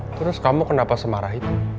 terus kamu kenapa semarah itu